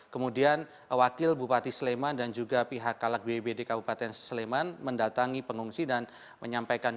kemudian wakil bupati sleman dan juga pihak kalak bbd kabupaten sleman mendatangi pengungsi dan menyampaikan